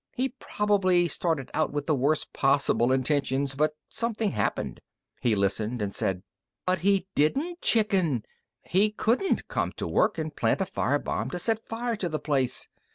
He probably started out with the worst possible intentions, but something happened...." He listened and said: "But he didn't chicken! He couldn't come to work and plant a fire bomb to set fire to the place!...